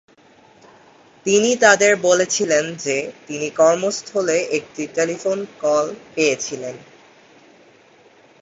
তিনি তাদের বলেছিলেন যে তিনি কর্মস্থলে একটি টেলিফোন কল পেয়েছিলেন।